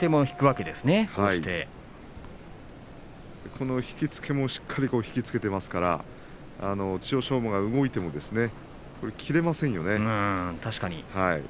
この引き付けもしっかり引き付けていますから千代翔馬が動いても切れませんよね。